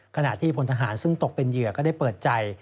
ขณะที่พลทหารซึ่งตกเป็นเหยื่อก็ได้เปิดใจ